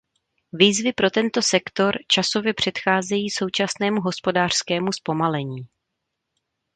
Výzvy pro tento sektor časově předcházejí současnému hospodářskému zpomalení.